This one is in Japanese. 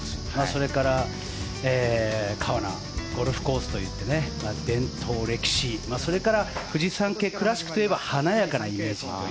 それから川奈ゴルフコースといって伝統、歴史、それからフジサンケイクラシックといえば華やかなイメージ。